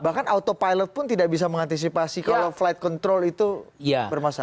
bahkan autopilot pun tidak bisa mengantisipasi kalau flight control itu bermasalah